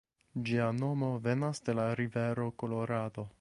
Ĝia nomo venas de la rivero Kolorado.